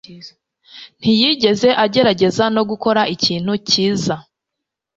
ntiyigeze agerageza no gukora ikintu cyiza